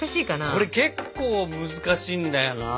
これ結構難しいんだよなあ。